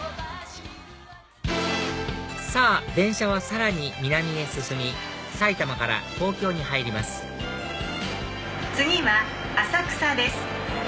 さぁ電車はさらに南へ進み埼玉から東京に入ります次は浅草です。